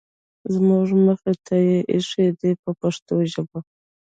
زموږ مخې ته یې اېښي دي په پښتو ژبه.